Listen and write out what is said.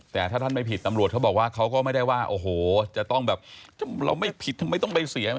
แต่ถ้าท่านไม่ผิดตำรวจเขาบอกว่าเขาก็ไม่ได้ว่าโอ้โหจะต้องแบบเราไม่ผิดทำไมต้องไปเสียง